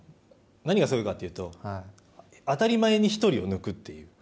何がすごいかというと当たり前に１人を抜くという。